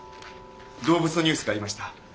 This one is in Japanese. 動物のニュースがありました。